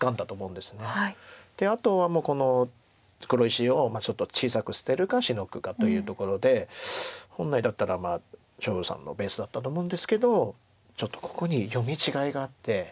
であとはもうこの黒石をちょっと小さく捨てるかシノぐかというところで本来だったら張栩さんのペースだったと思うんですけどちょっとここに読み違いがあって。